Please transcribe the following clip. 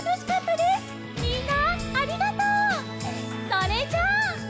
それじゃあ！